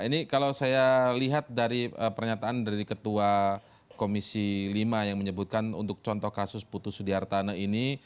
ini kalau saya lihat dari pernyataan dari ketua komisi lima yang menyebutkan untuk contoh kasus putus sudiartana ini